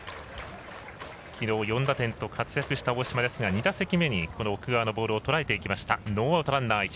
きのう、４打点と活躍した大島ですが２打席目に奥川のボールをとらえていきました。